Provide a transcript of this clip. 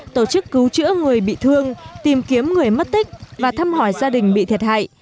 tổ chức cứu chữa người bị thương tìm kiếm người mất tích và thăm hỏi gia đình bị thiệt hại